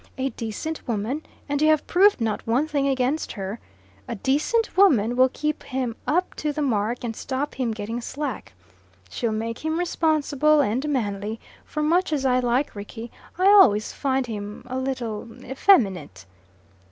A decent woman and you have proved not one thing against her a decent woman will keep him up to the mark and stop him getting slack. She'll make him responsible and manly, for much as I like Rickie, I always find him a little effeminate.